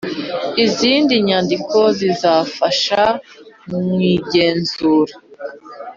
izindi nyandiko zizafasha mu igenzura